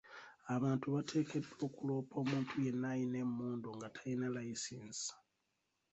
Abantu bateekeddwa okuloopa omuntu yenna ayina emmundu nga tayina layisinsi .